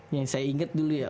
yang saya ingat dulu ya